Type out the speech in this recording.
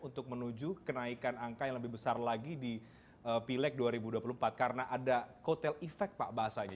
untuk menuju kenaikan angka yang lebih besar lagi di pileg dua ribu dua puluh empat karena ada kotel efek pak bahasanya